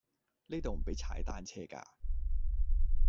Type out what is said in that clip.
呢度唔比踩單車架